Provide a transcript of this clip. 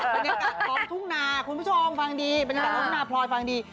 บรรยากาศท้องทุ่งนาคุณผู้ชมฟังดีบรรยากาศท้องทุ่งนาพลอยฟังดี